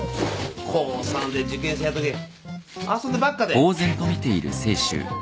高３で受験生だってのに遊んでばっかで。